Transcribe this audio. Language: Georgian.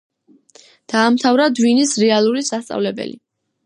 დაამთავრა დვინის რეალური სასწავლებელი.